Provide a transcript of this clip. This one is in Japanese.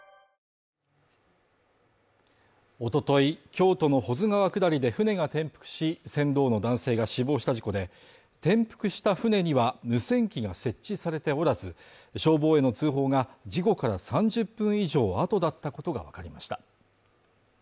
京都の保津川下りで舟が転覆し、船頭の男性が死亡した事故で、転覆した舟には無線機が設置されておらず、消防への通報が、事故から３０分以上後だったことがわかりました